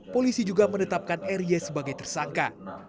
polisi juga menetapkan r y sebagai tersangka